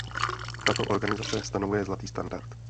Tato organizace stanovuje zlatý standard.